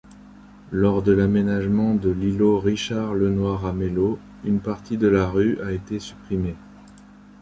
Lors de l'aménagement de l'îlot Richard-Lenoir-Amelot, une partie de la rue a été supprimée.